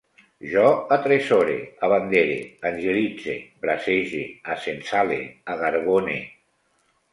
Jo atresore, abandere, angelitze, bracege, acensale, agarbone